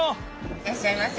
いらっしゃいませ！